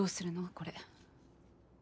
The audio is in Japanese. これ。